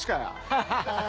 はい。